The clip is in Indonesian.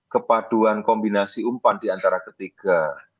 kepaduan kombinasi umpan diantara ketiga